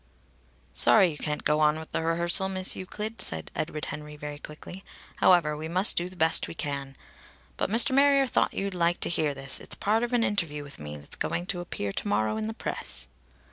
"Sorry you can't go on with the rehearsal, Miss Euclid," said Edward Henry very quickly. "However, we must do the best we can. But Mr. Marrier thought you'd like to hear this. It's part of an interview with me that's going to appear to morrow in the press."